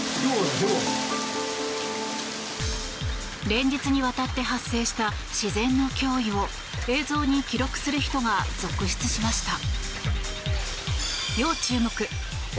連日にわたって発生した自然の脅威を映像に記録する人が続出しました。